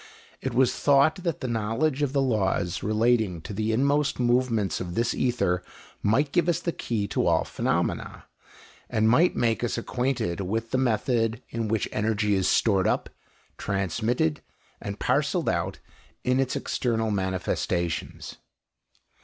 It was thought that the knowledge of the laws relating to the inmost movements of this ether might give us the key to all phenomena, and might make us acquainted with the method in which energy is stored up, transmitted, and parcelled out in its external manifestations.